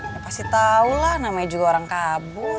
gak pasti tau lah namanya juga orang kabur